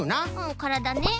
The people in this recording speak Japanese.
からだね。